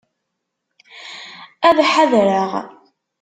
Ad ḥadreɣ.